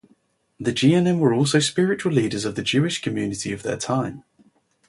The Geonim were also spiritual leaders of the Jewish community of their time.